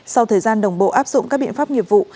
sau thời gian đồng bộ áp dụng các biện pháp nghiệp vụ